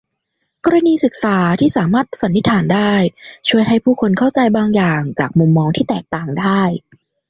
กรณีศึกษาที่สามารถสันนิษฐานได้ช่วยให้ผู้คนเข้าใจบางอย่างจากมุมมองที่แตกต่างได้